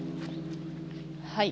はい。